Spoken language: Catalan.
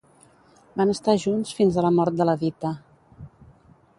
Van estar junts fins a la mort de la Dita.